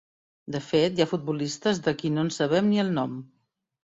De fet, hi ha futbolistes de qui no en sabem ni el nom.